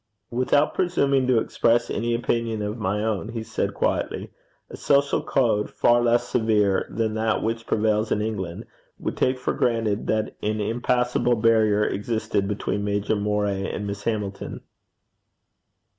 'Without presuming to express any opinion of my own,' he said quietly, 'a social code far less severe than that which prevails in England, would take for granted that an impassable barrier existed between Major Moray and Miss Hamilton.'